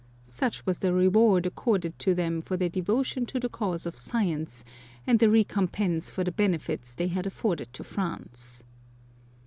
Such was the reward accorded to them for their devotion to the cause of science, and the recompense for the benefits they had afforded to France.